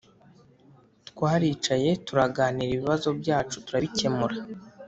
Twaricaye turaganira ibibazo byacu turabikemura